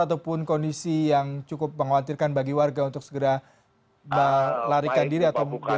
ataupun kondisi yang cukup mengkhawatirkan bagi warga untuk segera larikan diri atau dievakuasi pak